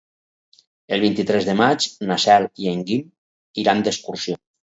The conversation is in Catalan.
El vint-i-tres de maig na Cel i en Guim iran d'excursió.